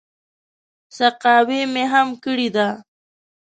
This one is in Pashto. سقاوي مې هم کړې ده.